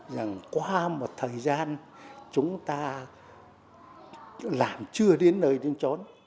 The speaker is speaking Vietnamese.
rằng qua một thời gian chúng ta làm chưa đến nơi đến trốn